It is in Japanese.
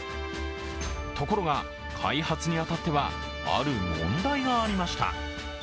ところが、開発に当たっては、ある問題がありました。